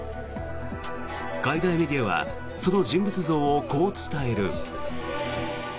海外メディアはその人物像をこう伝える。